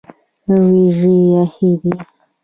وریژې پخې دي.